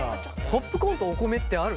ポップコーンとお米ってある？